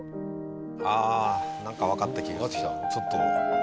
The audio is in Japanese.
ああなんかわかった気がするちょっと。